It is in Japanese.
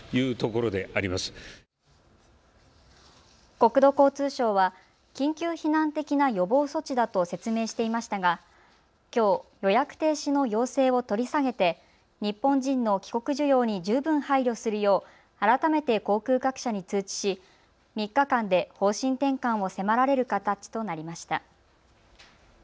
国土交通省は緊急避難的な予防措置だと説明していましたがきょう、予約停止の要請を取り下げて日本人の帰国需要に十分配慮するよう改めて航空各社に通知し３日間で方針転換を迫られる形となりました。